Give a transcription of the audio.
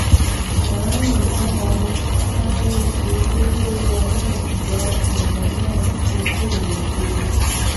男女共同参与局是日本内阁府的内部部局之一。